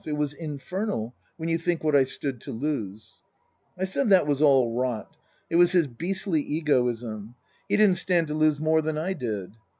It was infernal when you think what I stood to lose/' I said that was all rot. It was his beastly egoism. He didn't stand to lose more than I did.